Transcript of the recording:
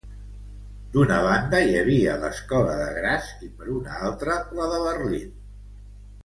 D'una banda hi havia l'escola de Graz i per una altra la de Berlín.